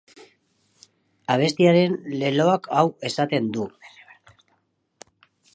Abestiaren leloak hau esaten du.